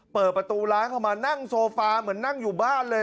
เปิดประตูร้านเข้ามานั่งโซฟาเหมือนนั่งอยู่บ้านเลย